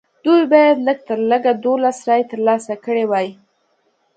دوی باید لږ تر لږه دولس رایې ترلاسه کړې وای.